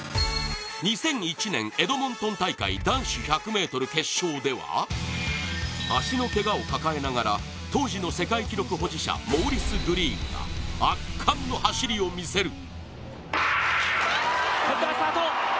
２００１年エドモントン大会男子１００ｍ決勝では足のけがを抱えながら当時の世界記録保持者モーリス・グリーンが圧巻の走りを見せる。